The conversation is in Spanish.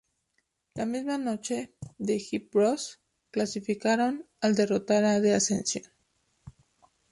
La misma noche, The Hype Bros clasificaron al derrotar a The Ascension.